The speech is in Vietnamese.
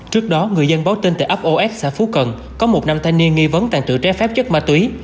trước đó người dân báo tin tại ấp os xã phú cần có một nam thanh niên nghi vấn tàn trữ trái phép chất ma túy